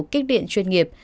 kích điện chuyên nghiệp